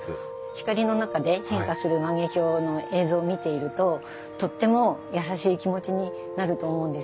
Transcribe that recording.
光の中で変化する万華鏡の映像を見ているととっても優しい気持ちになると思うんですよね。